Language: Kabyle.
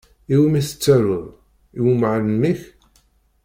I wumi i tettaruḍ? I wumɛalem-ik?